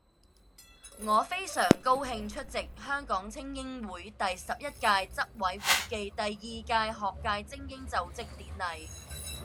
我非常高興出席香港菁英會第十一屆執委會暨第二屆學界菁英就職典禮